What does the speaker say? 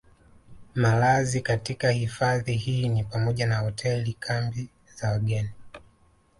Malazi katika Hifadhi hii ni pamoja na Hotel kambi za wageni